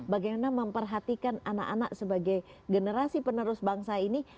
bagaimana memperhatikan anak anak sebagai generasi penerus bangsa ini